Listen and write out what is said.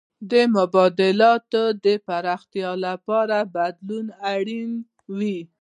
د مبادلاتو د پراختیا لپاره بدلون اړین و.